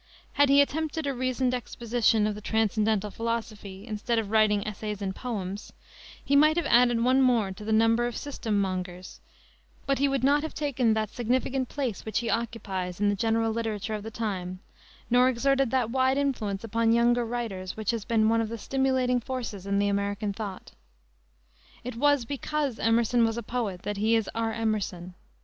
Had he attempted a reasoned exposition of the transcendental philosophy, instead of writing essays and poems, he might have added one more to the number of system mongers; but he would not have taken that significant place which he occupies in the general literature of the time, nor exerted that wide influence upon younger writers which has been one of the stimulating forces in American thought. It was because Emerson was a poet that he is our Emerson.